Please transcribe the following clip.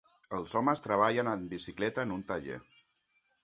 Els homes treballen en bicicleta en un taller